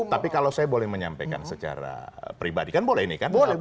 tapi kalau saya boleh menyampaikan secara pribadi kan boleh ini kan